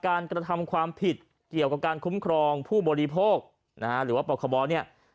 กระทำความผิดเกี่ยวกับการคุ้มครองผู้บริโภคนะฮะหรือว่าปคบเนี่ย